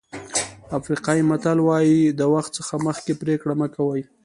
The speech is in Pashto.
افریقایي متل وایي د وخت څخه مخکې پرېکړه مه کوئ.